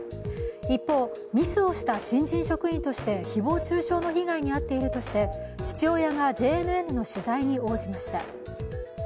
一方、ミスをした新人職員として誹謗中傷の被害に遭っているとして父親がＪＮＮの取材に応じました。